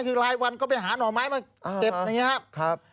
คือรายวันก็ไปหาหน่อไม้มาเก็บอย่างนี้ครับ